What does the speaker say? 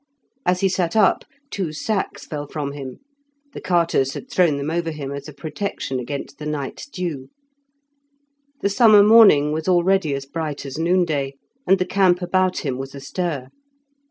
As he sat up two sacks fell from him; the carters had thrown them over him as a protection against the night's dew. The summer morning was already as bright as noonday, and the camp about him was astir.